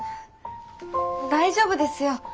大丈夫ですよ。